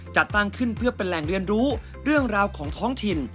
จัดตั้งขึ้นเพื่อเป็นแหล่งเรียนรู้เรื่องราวของท้องถิ่น